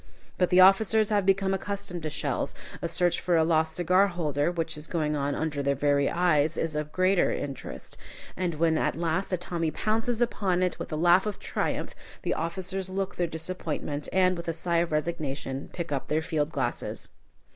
But the officers have become accustomed to shells; a search for a lost cigar holder, which is going on under their very eyes, is of greater interest. And when at last a Tommy pounces upon it with a laugh of triumph, the officers look their disappointment, and, with a sigh of resignation, pick up their field glasses.